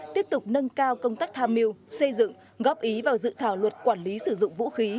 tiếp tục nâng cao công tác tham mưu xây dựng góp ý vào dự thảo luật quản lý sử dụng vũ khí